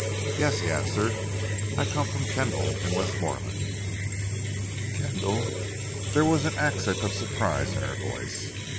"Yes," he answered. "I come from Kendal, in Westmorland." "Kendal?" There was an accent of surprise in her voice.